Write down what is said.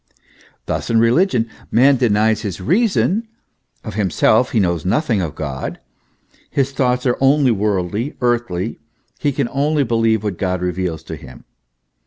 Thus, in religion man denies his reason ; of him self he knows nothing of God, his thoughts are only worldly, earthly; he can only believe what God reveals to him.